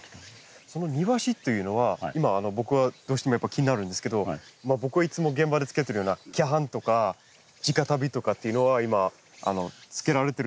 その庭師っていうのは今僕はどうしてもやっぱ気になるんですけど僕がいつも現場で着けてるような脚絆とか地下足袋とかっていうのは今着けられてるんですけど。